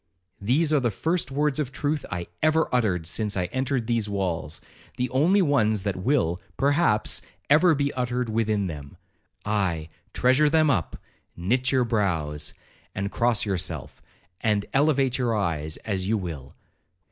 These are the first words of truth I ever uttered since I entered these walls—the only ones that will, perhaps, ever be uttered within them—aye, treasure them up, knit your brows, and cross yourself, and elevate your eyes as you will.